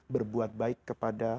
berbuat baik kepada